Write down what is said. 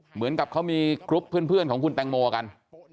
เหมือนกับเขามีกรุ๊ปเพื่อนของคุณแตงโมกัน